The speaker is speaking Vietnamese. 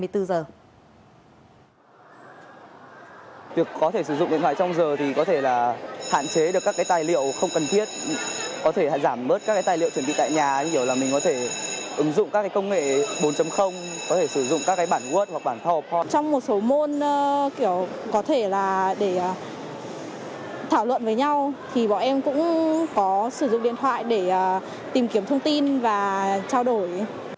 thảo luận với nhau thì bọn em cũng có sử dụng điện thoại để tìm kiếm thông tin và trao đổi